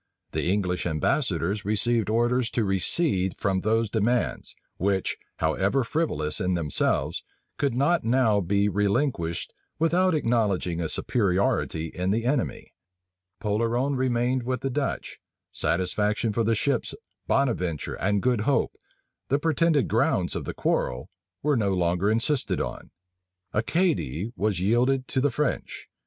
The English ambassadors received orders to recede from those demands, which, how ever frivolous in themselves, could not now be relinquished without acknowledging a superiority in the enemy. Polerone remained with the Dutch; satisfaction for the ships Bonaventure and Good Hope, the pretended grounds of the quarrel, was no longer insisted on; Acadie was yielded to the French.